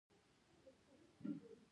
غول د بدن د پاکوالي برخه ده.